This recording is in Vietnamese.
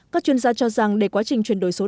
các chuyên gia cho rằng để quá trình chuyển đổi số